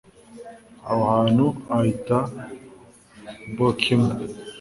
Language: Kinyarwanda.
aho hantu bahita bokimu